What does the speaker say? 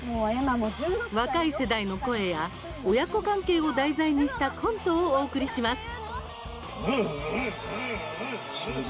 若い世代の声や親子関係を題材にしたコントをお送りします。